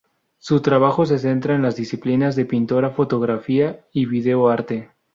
Su trabajo se centra en las disciplinas de pintura, fotografía y video arte.